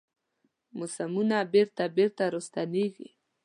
موسمونه بیرته، بیرته راستنیږي